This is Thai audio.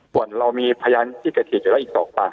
ส่วนเรามีพยานที่เกษียทีอยู่แล้วอีกสองป่ะครับ